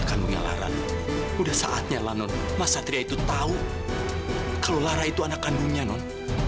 tahu kalau lara itu anak kandungnya non